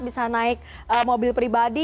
bisa naik mobil pribadi